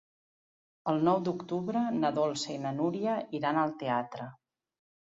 El nou d'octubre na Dolça i na Núria iran al teatre.